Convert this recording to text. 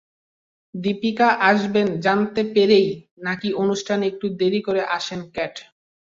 দীপিকা আসবেন জানতে পেরেই নাকি অনুষ্ঠানে একটু দেরি করে আসেন ক্যাট।